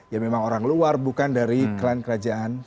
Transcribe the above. ya memang orang luar bukan dari klan kerajaan